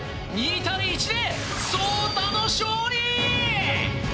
２対１でそうたの勝利！